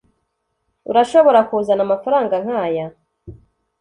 urashobora kuzana amafaranga nkaya